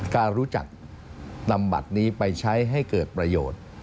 การรู้จักนำบัตรนี้ไปใช้ให้เกิดประโยชน์